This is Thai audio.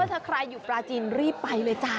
ถ้าใครอยู่บราชีนรีบไปเลย